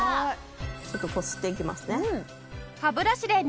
ちょっとこすっていきますね。